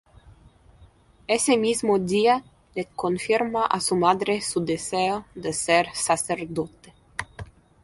Ese mismo día le confirma a su madre su deseo de ser sacerdote.